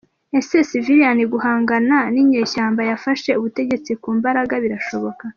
Ese Civiliani guhangana n’inyeshyamba yafashe ubutegetsi ku mbaraga, birashoboka?